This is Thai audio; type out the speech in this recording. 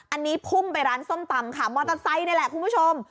อันนี้พุ่งไปร้านส้มตำค่ะมอเตอร์ไซค์นี่แหละคุณผู้ชม